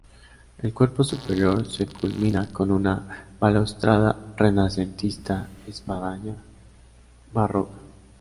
El cuerpo superior se culmina con una balaustrada renacentista y espadaña barroca.